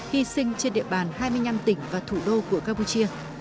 hy sinh trên địa bàn hai mươi năm tỉnh và thủ đô của campuchia